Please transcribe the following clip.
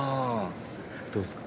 どうですか？